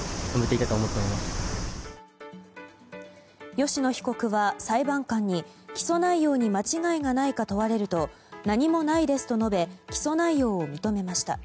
吉野被告は裁判官に起訴内容に間違いがないか問われると何もないですと述べ起訴内容を認めました。